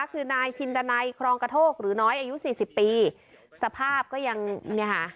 คือนายชินดนัยครองกระโทกหรือน้อยอายุสี่สิบปีสภาพก็ยังเนี่ยค่ะ